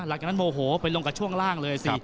หลังจากนั้นโมโหไปลงกับช่วงล่างเลยสิ